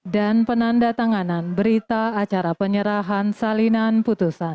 dan penanda tanganan berita acara penyerahan salinan putusan